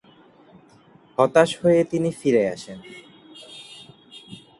হতাশ হয়ে তিনি ফিরে আসেন।